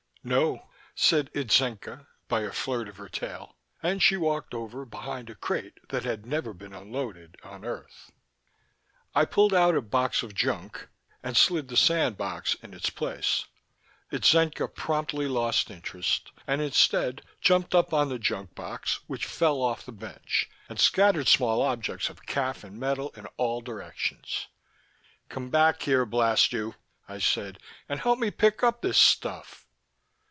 No, said Itzenca by a flirt of her tail. And she walked over behind a crate that had never been unloaded on earth. I pulled out a box of junk and slid the sand box in its place. Itzenca promptly lost interest and instead jumped up on the junk box which fell off the bench and scattered small objects of khaff and metal in all directions. "Come back here, blast you," I said, "and help me pick up this stuff."